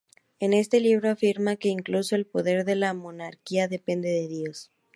En este libro, afirma que incluso el poder de la monarquía depende de Dios.